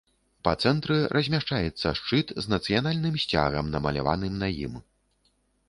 Па цэнтры размяшчаецца шчыт з нацыянальным сцягам, намаляваным на ім.